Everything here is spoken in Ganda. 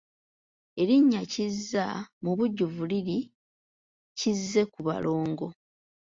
Erinnya Kizza mu bujjuvu liri Kizzekubalongo.